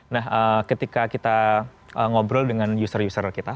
nah ketika kita ngobrol dengan user user kita